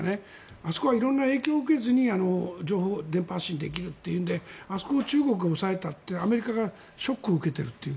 あそこは色んな影響を受けずに情報を電波発信できるというのであそこも中国が押さえたってアメリカがショックを受けているという。